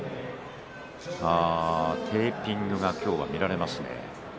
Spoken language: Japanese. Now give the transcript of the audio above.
テーピングが今日は見られます。